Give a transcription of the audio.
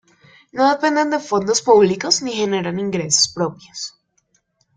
No dependen de fondos públicos ni generan ingresos propios.